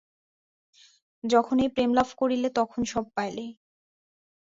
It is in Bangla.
যখন এই প্রেম লাভ করিলে, তখন সব পাইলে।